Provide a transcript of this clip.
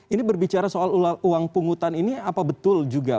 ini berbicara soal uang pungutan ini apa betul juga